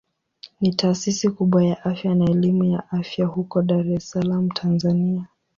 Ni taasisi kubwa ya afya na elimu ya afya huko Dar es Salaam Tanzania.